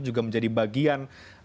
juga menjadi bagian